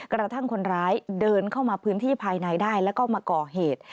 กระทั่งคนร้ายเดินเข้ามาพื้นที่ภายในได้แล้วก็มาก่อเหตุ